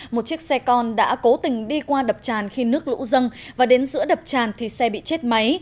một chiếc xe con đã cố tình đi qua đập tràn khi nước lũ dâng và đến giữa đập tràn thì xe bị chết máy